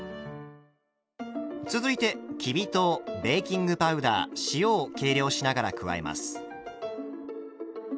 続いてきび糖ベーキングパウダー塩を計量しながら加えます。